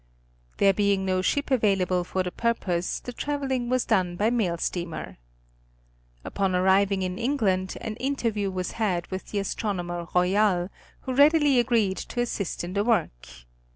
There being no ship available for the purpose the traveling was done by mail steamer. Upon arrival in England, an interview was had with the Astronomer Royal, who readily agreed to assist in the work.